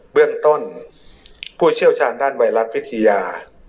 เบื้องต้นผู้เชี่ยวชาญด้านไวรัสวิทยา